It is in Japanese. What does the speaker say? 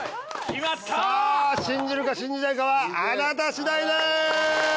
さぁ信じるか信じないかはあなた次第です。